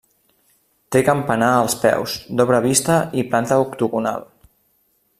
Té campanar als peus, d'obra vista i planta octogonal.